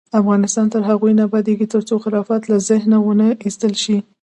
افغانستان تر هغو نه ابادیږي، ترڅو خرافات له ذهنه ونه ایستل شي.